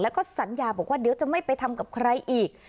แล้วก็สัญญาบอกว่าเดี๋ยวจะไม่ไปทำกับใครอีก